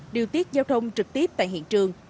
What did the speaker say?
điều tiết giao thông trực tiếp tại hiện trường